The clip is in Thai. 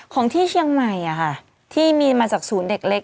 ของที่เชียงใหม่ที่มีมาจากศูนย์เด็กเล็ก